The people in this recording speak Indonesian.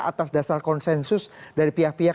atas dasar konsensus dari pihak pihak